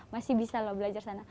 masih bisa loh belajar sana